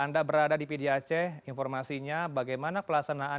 anda berada di pdi aceh informasinya bagaimana pelaksanaan